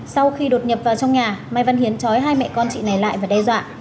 sau khi đột nhập vào trong nhà mai văn hiến trói hai mẹ con chị này lại và đe dọa